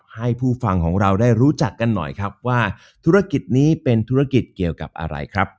ให้ผู้ฟังของเราได้รู้จักกันหน่อยครับว่าธุรกิจนี้เป็นธุรกิจเกี่ยวกับอะไรครับ